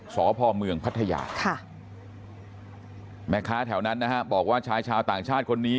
สพเมืองพัทยาแม่ค้าแถวนั้นนะฮะบอกว่าชายชาวต่างชาติคนนี้